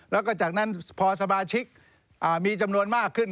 แล้วก็จากนั้นพอสมาชิกมีจำนวนมากขึ้น